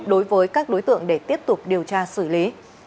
đối với các đối tượng để tiếp tục điều tra xử lý